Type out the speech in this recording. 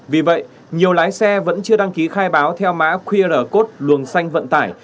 vì vậy nhiều lái xe vẫn chưa đăng ký khai báo theo mã qr code luồng xanh vận tải